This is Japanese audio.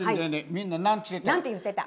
みんな何て言ってた？